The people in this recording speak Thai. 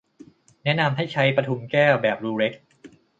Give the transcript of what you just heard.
แนะนำให้ใช้ปทุมแก้วแบบรูเล็ก